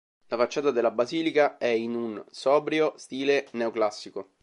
La facciata della basilica è in un sobrio stile neoclassico.